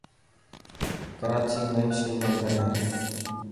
ڪراچي ۾ شو مندر هي.